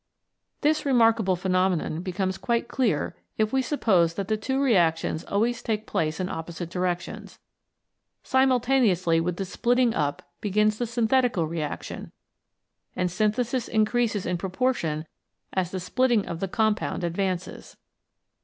This remarkable phenomenon becomes quite clear if we suppose that the two reactions always take place in opposite directions. Simultaneously with splitting up begins the synthetical reaction, and synthesis increases in proportion as the splitting of the compound advances.